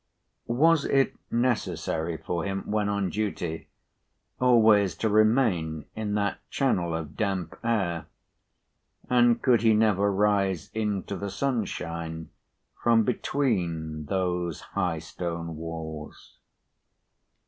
Was it necessary for him when on duty, always to remain in that channel of damp air, and could he never rise into the sunshine from between those high stone walls?